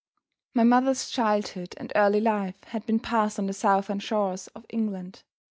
My mother's childhood and early life had been passed on the southern shores of England.